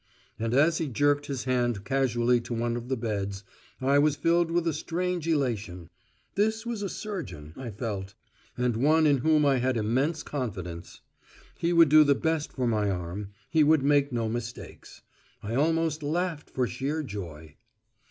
And as he jerked his hand casually to one of the beds, I was filled with a strange elation. This was a surgeon, I felt; and one in whom I had immense confidence. He would do the best for my arm: he would make no mistakes. I almost laughed for sheer joy!